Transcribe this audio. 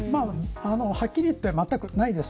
はっきり言ってまったくないです。